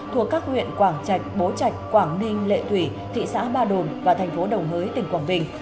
thuộc các huyện quảng trạch bố trạch quảng ninh lệ thủy thị xã ba đồn và thành phố đồng hới tỉnh quảng bình